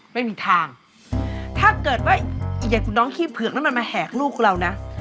ไม่มีทางถ้าเกิดว่าอีกอย่างน้องขี้เผือกนั้นมันมาแหกลูกเรานะ